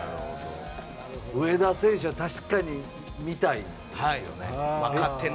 上田選手は確かに見たいよね。